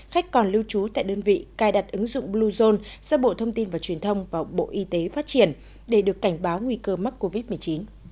khách còn lưu trú tại đơn vị cài đặt ứng dụng bluezone do bộ thông tin và truyền thông và bộ y tế phát triển để được cảnh báo nguy cơ mắc covid một mươi chín